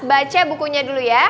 baca bukunya dulu ya